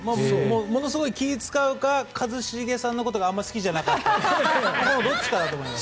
ものすごい気を使うか一茂さんのことがあまり好きじゃなかったかそのどっちかだと思います。